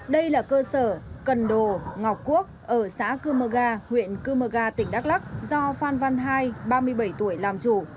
đây là cơ sở cần đồ ngọc quốc ở xã cư mơ ga huyện cư mơ ga tỉnh đắk lắc do phan văn hai ba mươi bảy tuổi làm chủ